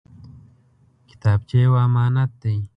کتابچه یو امانت دی